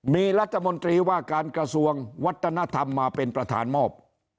มีรัฐมนตรีว่าการกระทรวงวัฒนธรรมมาเป็นประธานมอบ